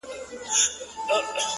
o بدراتلونکی دې مستانه حال کي کړې بدل،